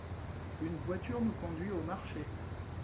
Une voiture nous conduit au marché.